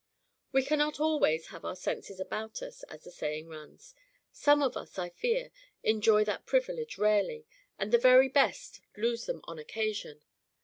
We cannot always have our senses about us, as the saying runs. Some of us, I fear, enjoy that privilege rarely, and the very best lose them on occasion.